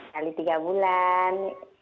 kali tiga bulan